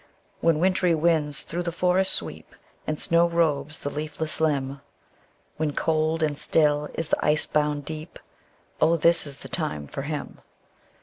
When wintry winds thro' the forests sweep, And snow robes the leafless limb; When cold and still is the ice bound deep, O this is the time for him.